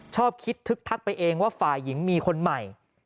ชอบคิดทึกทักไปเองว่าฝ่ายหญิงมีคนใหม่